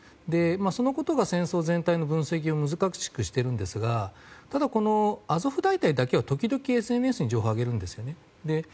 そのことが戦争全体の分析を難しくしているんですがただ、アゾフ大隊だけは時々、ＳＮＳに情報をあげるんですね。